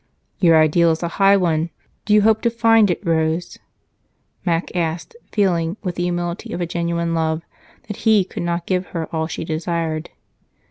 "Your ideal is a high one. Do you hope to find it, Rose?" Mac asked, feeling, with the humility of a genuine love, that he could not give her all she desired.